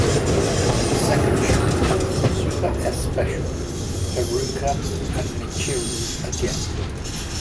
The second short, SuperS Special: Haruka and Michiru, Again!